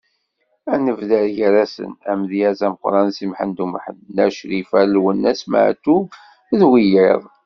Ad d-nebder gar-asen: Amedyaz ameqqran Si Muḥend Umḥend, Nna Crifa, Lwennas Meɛtub, d wiyaḍ.